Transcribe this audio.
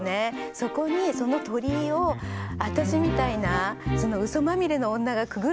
そこにその鳥居を私みたいなウソまみれの女がくぐるっていうのが。